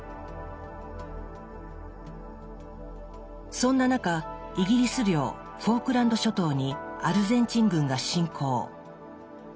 そんな中イギリス領フォークランド諸島にアルゼンチン軍が侵攻。